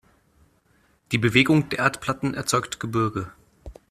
Die Bewegung der Erdplatten erzeugt Gebirge.